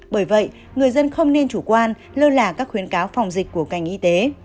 bởi vậy người dân không nên chủ quan lơ là các khuyến cáo phòng dịch của ngành y tế